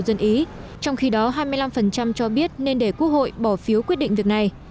dân ý trong khi đó hai mươi năm cho biết nên để quốc hội bỏ phiếu quyết định việc này